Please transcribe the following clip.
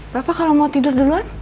bapak kalau mau tidur duluan